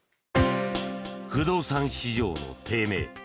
不動産市場の低迷。